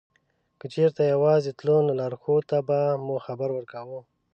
که چېرته یوازې تلو نو لارښود ته به مو خبر ورکاوه.